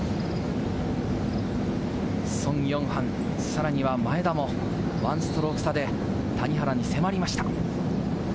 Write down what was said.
ソン・ヨンハン、さらには前田も１ストローク差で谷原に迫りました。